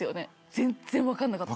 全然分かんなかった。